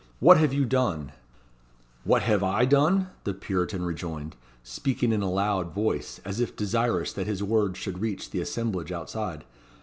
what have you done?" "What have I done?" the Puritan rejoined, speaking in a loud voice, as if desirous that his words should reach the assemblage outside.